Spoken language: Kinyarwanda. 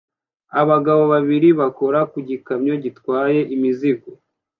Abagabo babiri bakora ku gikamyo gitwaye imizigo